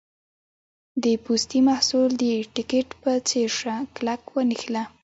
د پوستي محصول د ټیکټ په څېر شه کلک ونښله.